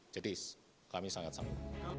jadi kami sangat sanggup